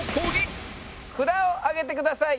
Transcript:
札を上げてください。